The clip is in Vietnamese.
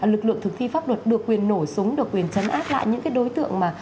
lực lượng thực thi pháp luật được quyền nổ súng được quyền chấn áp lại những cái đối tượng mà